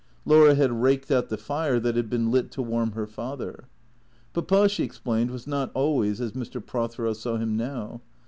Laura had raked out the fire that had been lit to warm her father. Papa, she explained, was not always as Mr. Prothero saw him now.